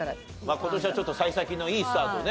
今年はちょっと幸先のいいスタートをね